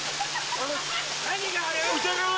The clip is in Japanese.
何がある？